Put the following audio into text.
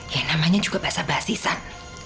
ya namanya juga basa basi san